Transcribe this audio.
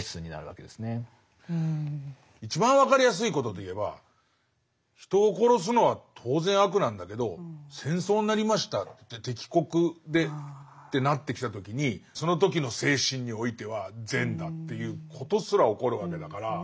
一番分かりやすいことでいえば人を殺すのは当然悪なんだけど戦争になりましたって敵国でってなってきた時にその時の精神においては善だということすら起こるわけだから。